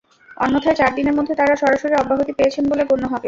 অন্যথায় চার দিনের মধ্যে তাঁরা সরাসরি অব্যাহতি পেয়েছেন বলে গণ্য হবে।